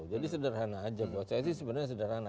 jadi sederhana aja buat saya sih sebenarnya sederhana